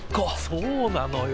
そうなのよ。